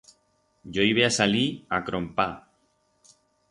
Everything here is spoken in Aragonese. Yo ibe a salir a crompar.